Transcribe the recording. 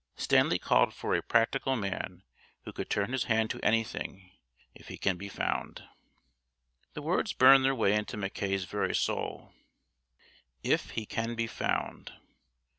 Stanley called for "a practical man who could turn his hand to anything if he can be found." The words burned their way into Mackay's very soul. "If he can be found."